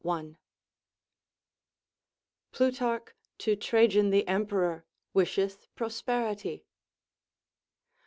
PLUTARCH TO TRAJAN THE EMPEROR IVISHETH PROSPERITY.